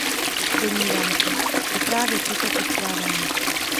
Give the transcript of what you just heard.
Domnívám se, že právě toto postrádáme.